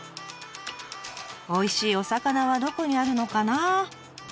おいしいお魚はどこにあるのかな？